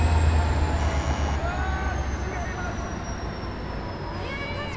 あぁ違います！